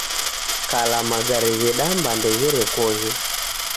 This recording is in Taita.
Kala magare ghedamba ndegherekoghe.